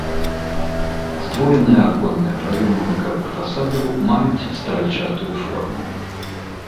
Здвоеныя аконныя праёмы бакавых фасадаў маюць стральчатую форму.